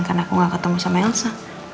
karena aku gak ketemu sama elsa